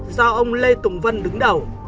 do ông lê tùng vân đứng đầu